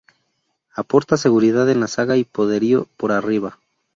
Aporta seguridad en la zaga y poderío por arriba.